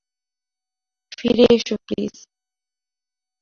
ফিরে এসো, প্লিজ!